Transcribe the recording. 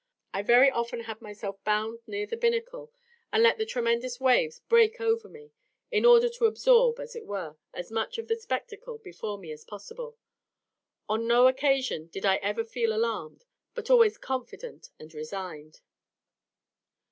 I very often had myself bound near the binnacle, and let the tremendous waves break over me, in order to absorb, as it were, as much of the spectacle before me as possible; on no occasion did I ever feel alarmed, but always confident and resigned.